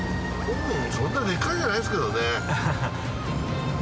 そんなデカいのはないですけどね。